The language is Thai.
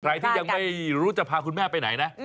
ใครที่ยังไม่รู้จะพาคุณแม่ไปไหนนะ